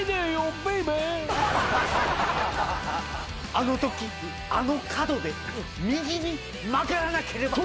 あのときあの角で右に曲がらなければ。